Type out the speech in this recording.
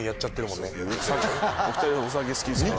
お２人ともお酒好きですからね。